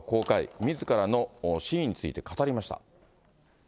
みずからの真意について語りました。